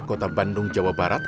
kota bandung jawa barat